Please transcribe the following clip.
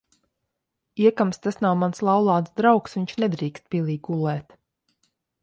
Iekams tas nav mans laulāts draugs, viņš nedrīkst pilī gulēt.